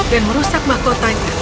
dan merusak mahkotanya